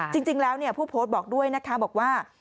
จริงแล้วผู้โพสต์บอกด้วยนะคะบอกว่า